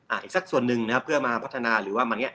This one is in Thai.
อีกสักส่วนหนึ่งนะครับเพื่อมาพัฒนาหรือว่ามาเนี่ย